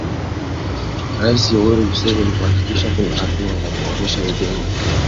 Rais Yoweri Museveni kuhakikisha kuna hatua za kukomesha vitendo hivyo na sio maneno pekee.